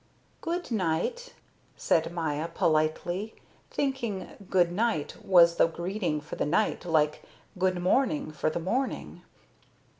"Good night," said Maya, politely, thinking "good night" was the greeting for the night like "good morning" for the morning.